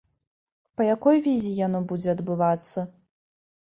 Па якой візе яно будзе адбывацца?